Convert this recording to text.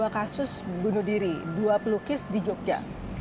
dua kasus bunuh diri dua pelukis di jogja